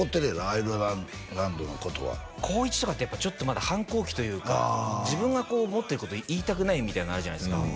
アイルランドのことは高１とかってやっぱちょっとまだ反抗期というか自分がこう思ってること言いたくないみたいなのあるじゃないですか